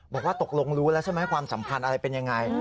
บอกว่าตกลงรู้แล้วใช่ไหมความสำคัญอะไรเป็นอย่างไร